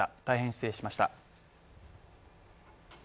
大変失礼しました。